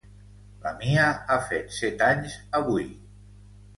La Mia ha fet set anys avui.